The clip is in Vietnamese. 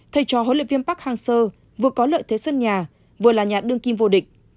thầy trò huấn luyện viên park hang seo vừa có lợi thế sân nhà vừa là nhà đương kim vô địch